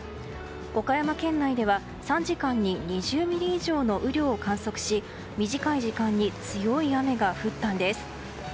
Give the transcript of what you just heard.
岡山県内では３時間に２０ミリ以上の雨量を観測し短い時間に強い雨が降ったんです。